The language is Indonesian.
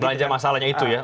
belanja masalahnya itu ya